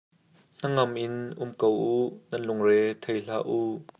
Hnangam in um ko u, nan lungre thei hlah u.